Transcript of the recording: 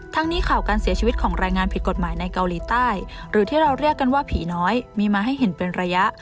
นี้ข่าวการเสียชีวิตของแรงงานผิดกฎหมายในเกาหลีใต้หรือที่เราเรียกกันว่าผีน้อยมีมาให้เห็นเป็นระยะ